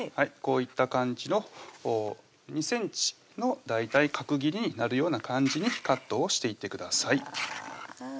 こういった感じの２ｃｍの大体角切りになるような感じにカットをしていってください